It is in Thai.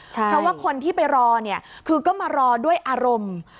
เพราะว่าคนที่ไปรอเนี่ยคือก็มารอด้วยอารมณ์